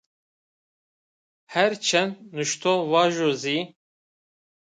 Herçend nuştox vajo zî